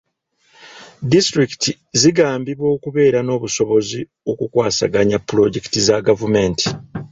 Disitulikiti zigambiddwa okubeera n'obusobozi okukwasaganya pulojekiti za gavumenti.